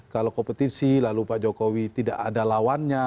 kalau kompetisi lalu pak jokowi tidak ada lawannya